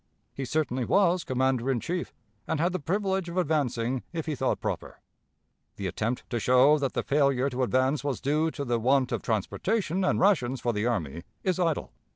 He certainly was commander in chief, and had the privilege of advancing if he thought proper. The attempt to show that the failure to advance was due to the want of transportation and rations for the army is idle.